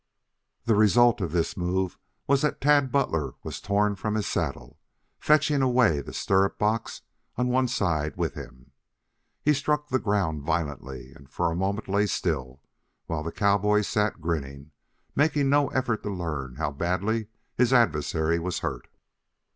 The result of this move was that Tad Butler was torn from his saddle, fetching away the stirrup box on one side with him. He struck the ground violently, and for a moment lay still, while the cowboy sat grinning, making no effort to learn how badly his adversary was hurt.